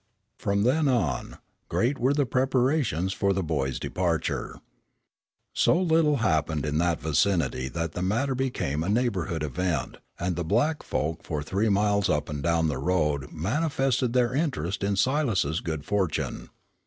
From then on, great were the preparations for the boy's departure. So little happened in that vicinity that the matter became a neighborhood event, and the black folk for three miles up and down the road manifested their interest in Silas's good fortune.